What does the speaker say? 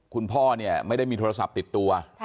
คุณพ่อเนี่ยไม่ได้มีโทรศัพท์ติดตัว